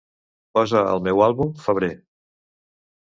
Posa el meu àlbum "Febrer".